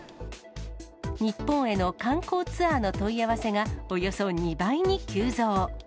日本への観光ツアーの問い合わせが、およそ２倍に急増。